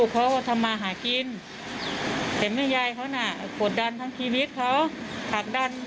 สวัสดีครัวครับ